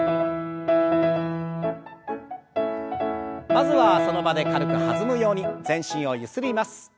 まずはその場で軽く弾むように全身をゆすります。